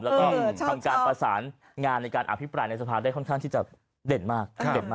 ทำการปราสานงานในการอภิปรัชน์ในสะพาด้วยค่อนข้างที่จะเด่นมาก